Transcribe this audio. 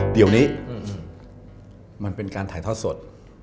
เดี๋ยวนี้มันเป็นการถ่ายทอดสด